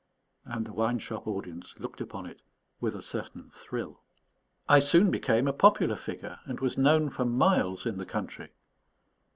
And the wine shop audience looked upon it with a certain thrill. I soon became a popular figure, and was known for miles in the country.